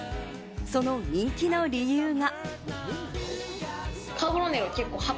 その人気の理由が。